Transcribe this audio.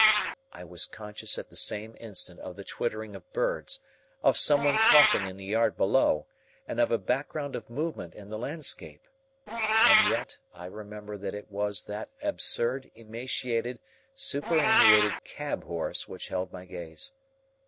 I was conscious at the same instant of the twittering of birds, of someone coughing in the yard below, and of a background of movement in the landscape. And yet I remember that it was that absurd, emaciated, superannuated cab horse which held my gaze.